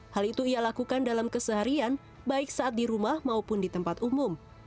hal itu ia lakukan dalam keseharian baik saat di rumah maupun di tempat umum